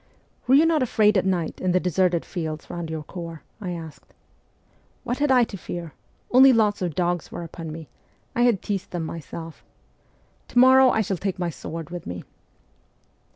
' Were you not afraid at night in the deserted fields round your corps ?' I asked. ' What had I to fear ? Only lots of dogs were upon me ; I had teased them myself. To morrow I shall take my sword with me.'